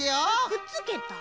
くっつけた？